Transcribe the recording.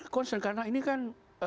concern karena ini kan